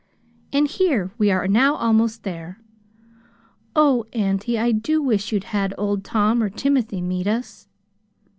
"And here we are now almost there. Oh, auntie, I do wish you'd had Old Tom or Timothy meet us!"